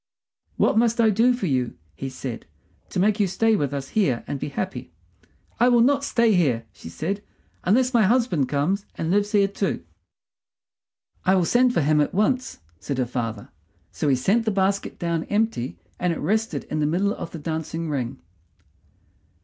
"What must I do for you," he said, "to make you stay with us here and be happy?" "I will not stay here," she said, "unless my husband comes and lives here too." "I will send for him at once," said her father. So he sent the basket down empty, and it rested in the middle of the dancing ring.